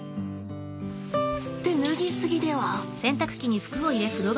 って脱ぎ過ぎでは！